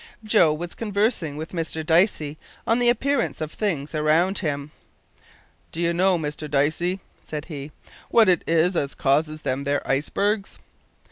Joe was conversing with Mr Dicey on the appearance of things around him. "Do you know, Mr Dicey," said he, "wot it is as causes them there ice bergs?"